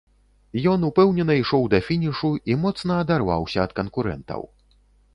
Ён упэўнена ішоў да фінішу і моцна адарваўся ад канкурэнтаў.